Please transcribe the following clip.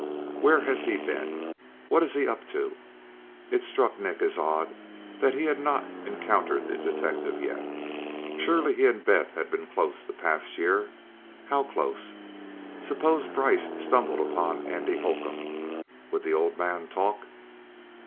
Where has he been? What is he up to? It struck Nick as odd that he had not encountered the detective yet: surely he and Beth had been close the past year. How close? Suppose Brice stumbled upon Andy Hocum. Would the old man talk?